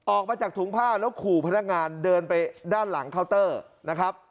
ออกมาจากถุงผ้าแล้วขู่พนักงานเดินไปด้านหลังเคาน์เตอร์นะครับ